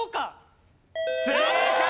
正解！